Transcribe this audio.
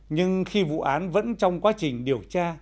nhưng khi vụ án vẫn trong quá trình điều tra